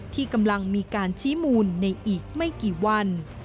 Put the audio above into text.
ที่กำลังมีการชี้มูลในอีกไม่กี่วัน